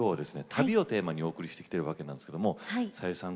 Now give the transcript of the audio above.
「旅」をテーマにお送りしてきてるわけなんですけどもさゆりさん